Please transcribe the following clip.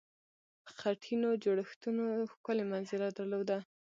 خټینو جوړښتونو ښکلې منظره درلوده.